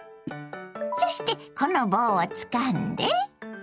そしてこの棒をつかんで。